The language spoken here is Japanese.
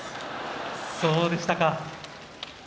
そうでしたか。